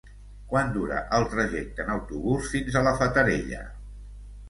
Quant dura el trajecte en autobús fins a la Fatarella?